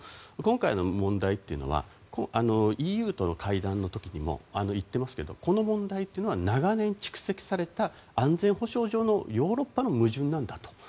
今回の問題というのはＥＵとの会談の時にも言っていますけどこの問題は長年蓄積された安全保障上のヨーロッパの矛盾なんだと。